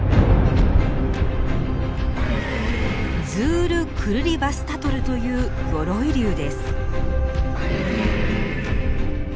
ズール・クルリヴァスタトルという鎧竜です。